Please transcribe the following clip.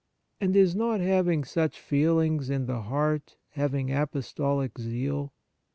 And is not having such feelings in the heart having apostolic zeal